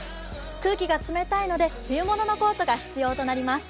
空気が冷たいので冬物のコートが必要となります。